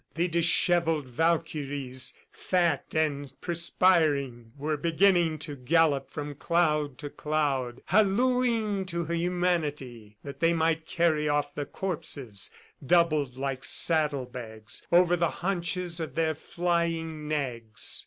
The dishevelled Valkyries, fat and perspiring, were beginning to gallop from cloud to cloud, hallooing to humanity that they might carry off the corpses doubled like saddle bags, over the haunches of their flying nags.